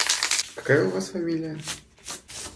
Какая у вас фамилия?